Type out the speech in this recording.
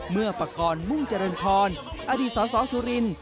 เมื่อปากรมุ่มเจริญพรอดีตสสสุรินทร์